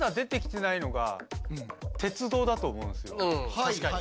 確かに。